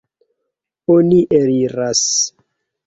Oni eliras.